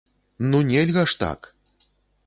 Ну, нельга ж так!